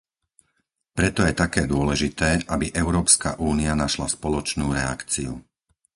Preto je také dôležité, aby Európska únia našla spoločnú reakciu.